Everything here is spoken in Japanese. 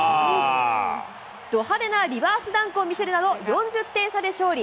ど派手なリバースダンクを見せるなど、４０点差で勝利。